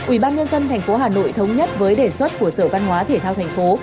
ủy ban nhân dân tp hà nội thống nhất với đề xuất của sở văn hóa thể thao thành phố